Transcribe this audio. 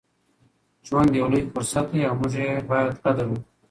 ژوند یو لوی فرصت دی او موږ یې باید قدر وکړو.